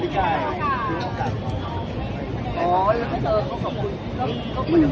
จริงจริง